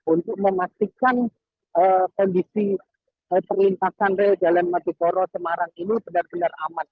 untuk memastikan kondisi perlintasan rel jalan maduporo semarang ini benar benar aman